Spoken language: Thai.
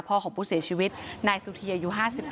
ของผู้เสียชีวิตนายสุธีอายุ๕๑